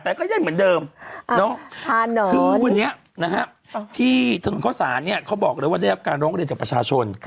แต่ก็ยังเหมือนเดิมคือวันนี้นะฮะที่ถนนเข้าสารเนี่ยเขาบอกเลยว่าได้รับการร้องเรียนจากประชาชน